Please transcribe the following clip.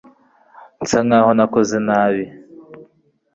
Nsa nkaho nakoze nabi.